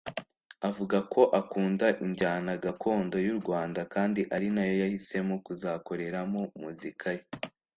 Avuga ko akunda injyana gakondo y’u Rwanda kandi ari nayo yahisemo kuzakoreramo muzika ye